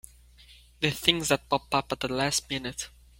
The things that pop up at the last minute!